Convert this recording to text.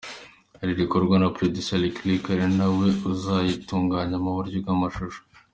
Iri gukorwa na Producer Lick Lick ari na we uzayitunganya mu buryo bw’amashusho.